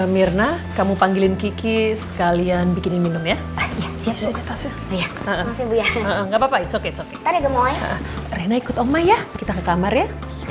mirna kamu panggiling kiki sekalian bikini minum ya